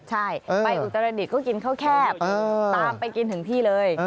ใช่ไปอุตรดิษฐ์ก็กินข้าวแคบตามไปกินถึงที่เลย